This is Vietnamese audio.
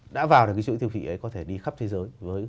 đã vào được cái chuỗi tiêu thị ấy có thể đi khắp thế giới